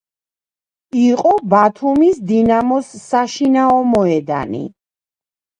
იყო ბათუმის დინამოს საშინაო მოედანი.